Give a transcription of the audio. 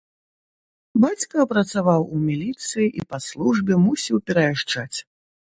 Бацька працаваў у міліцыі і па службе мусіў пераязджаць.